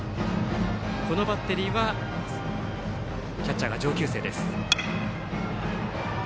このバッテリーはキャッチャーが上級生。